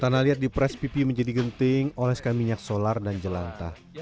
tanah liat di pres pipi menjadi genting oleskan minyak solar dan jelantah